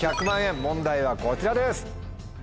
問題はこちらです！